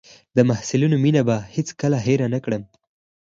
د محصلینو مينه هېڅ کله هېره نه کړم.